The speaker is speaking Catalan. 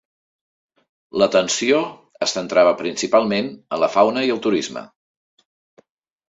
L'atenció es centrava principalment en la fauna i el turisme.